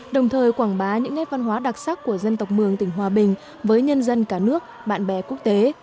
đồng thời quảng bá những nét văn hóa đặc sắc của dân tộc mường tỉnh hòa bình với nhân dân cả nước bạn bè quốc tế